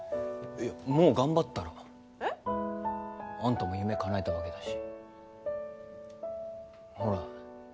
いやもう頑張ったろえっ？あんたも夢かなえたわけだしほら